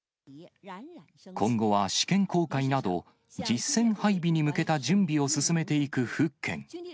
今後は試験航海など、実戦配備に向けた準備を進めていく福建。